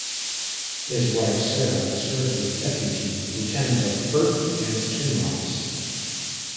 His wife, Sara, serves as Deputy Lieutenant of Perth and Kinross.